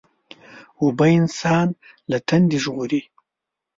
اوبه انسان له تندې ژغوري.